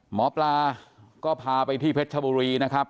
หมอปลาก็พาไปที่เพชรชบุรีนะครับ